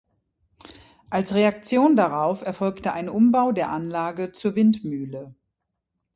Als Reaktion darauf erfolgte ein Umbau der Anlage zur Windmühle.